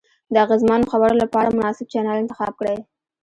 د اغیزمنو خبرو لپاره مناسب چینل انتخاب کړئ.